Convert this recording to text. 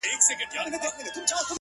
لكه د دوو جنـــــــگ ـ